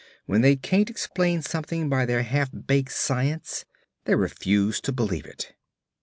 When they can't explain something by their half baked science, they refuse to believe it.'